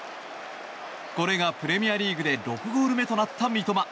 これがプレミアリーグで６ゴール目となった三笘。